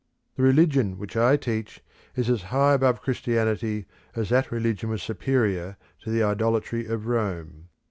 The religion which I teach is as high above Christianity as that religion was superior to the idolatry of Rome.